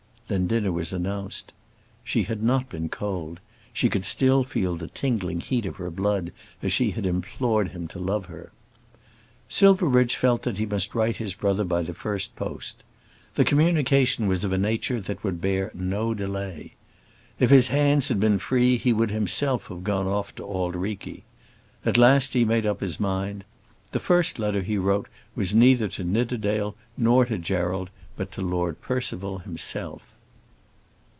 Then dinner was announced. She had not been cold. She could still feel the tingling heat of her blood as she had implored him to love her. Silverbridge felt that he must write to his brother by the first post. The communication was of a nature that would bear no delay. If his hands had been free he would himself have gone off to Auld Reikie. At last he made up his mind. The first letter he wrote was neither to Nidderdale nor to Gerald, but to Lord Percival himself.